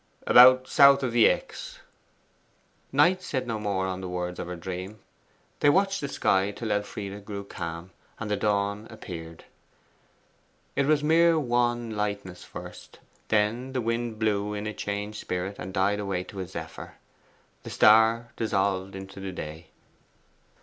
'About south of the Exe.' Knight said no more on the words of her dream. They watched the sky till Elfride grew calm, and the dawn appeared. It was mere wan lightness first. Then the wind blew in a changed spirit, and died away to a zephyr. The star dissolved into the day.